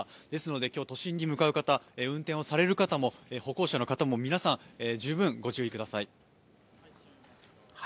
ですので今日、都心に向かう方、運転をされる方も歩行者の方も皆さん、十分ご注意ください。